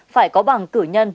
phải có bằng cử nhân